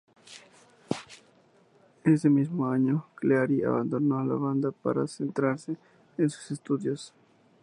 Ese mismo año, Cleary abandonó la banda para centrarse en sus estudios.